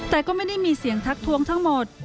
แต่ก็ไม่ได้มีเสียงทักทวงทั้งหมด